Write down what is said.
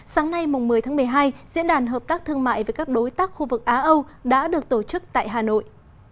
sáng nay một mươi tháng một mươi hai diễn đàn hợp tác thương mại với các đối tác khu vực á âu đã được tổ chức tại hà nội